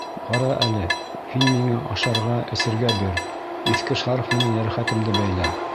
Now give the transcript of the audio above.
Ҡара әле, һин миңә ашарға, эсергә бир, иҫке шарф менән йәрәхәтемде бәйлә.